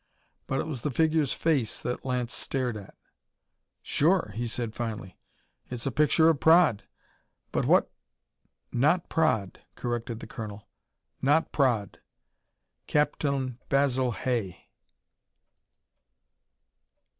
But it was the figure's face that Lance stared at. "Sure," he said finally. "It's a picture of Praed. But what " "Not Praed," corrected the colonel. "Not Praed. Captain Basil Hay."